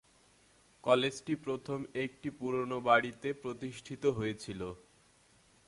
কলেজটি প্রথম একটি পুরানো বাড়িতে প্রতিষ্ঠিত হয়েছিল।